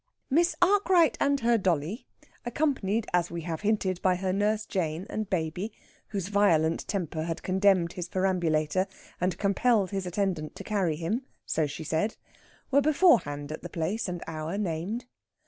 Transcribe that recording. Miss Arkwright and her dolly, accompanied, as we have hinted, by her Nurse Jane and baby, whose violent temper had condemned his perambulator, and compelled his attendant to carry him so she said were beforehand at the place and hour named.